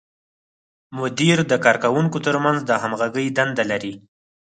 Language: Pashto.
مدیر د کارکوونکو تر منځ د همغږۍ دنده لري.